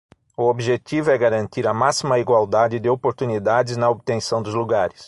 O objetivo é garantir a máxima igualdade de oportunidades na obtenção dos lugares.